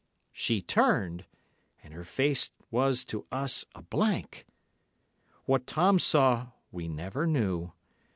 She turned, and her face was to us a blank. What Tom saw we never knew.